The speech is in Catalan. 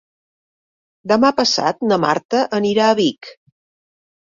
Demà passat na Marta anirà a Vic.